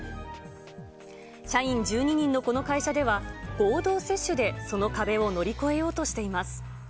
社員１２人のこの会社では、合同接種でその壁を乗り越えようとしています。